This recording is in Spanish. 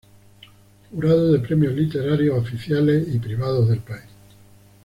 Jurado de premios literarios oficiales y privados del país.